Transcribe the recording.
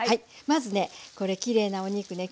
まずねこれきれいなお肉ね。